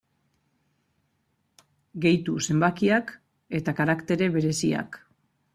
Gehitu zenbakiak eta karaktere bereziak.